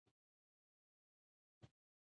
د ولس ترمنځ د باور فضا رامنځته کړئ.